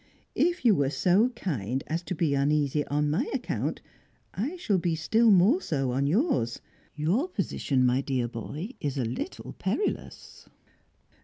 If you were so kind as to be uneasy on my account, I shall be still more so on yours. Your position, my dear boy, is a little perilous."